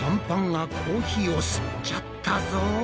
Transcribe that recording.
パンがコーヒーを吸っちゃったぞ。